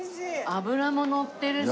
脂ものってるし。